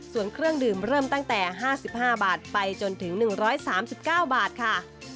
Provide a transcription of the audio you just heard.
ส่วนเครื่องดื่มเริ่มตั้งแต่๕๕บาทไปจนถึง๑๓๙บาทค่ะ